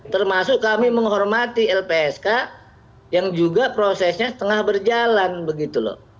termasuk kami menghormati lpsk yang juga prosesnya tengah berjalan begitu loh